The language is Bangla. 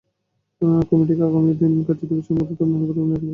কমিটিকে আগামী তিন কার্যদিবসের মধ্যে তদন্ত প্রতিবেদন দাখিল করতে বলা হয়েছে।